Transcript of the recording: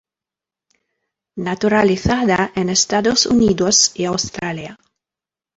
Naturalizada en Estados Unidos y Australia.